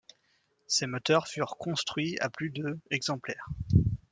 Ces moteurs furent construits à plus de exemplaires.